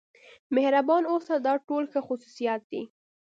مهربان اوسه دا ټول ښه خصوصیات دي.